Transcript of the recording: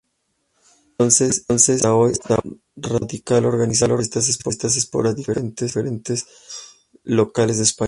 Desde entonces y hasta hoy, Radical organiza fiestas esporádicas en diferentes locales de España.